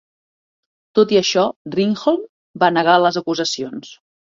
Tot i això, Ringholm va negar les acusacions.